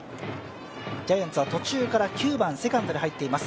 ジャイアンツは途中から９番セカンドに入っています